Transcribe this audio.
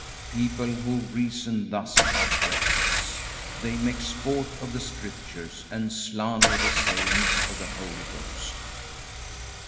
People who reason thus are reckless. They make sport of the Scriptures and slander the sayings of the Holy Ghost.